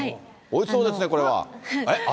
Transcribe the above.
おいしそうですね、これは。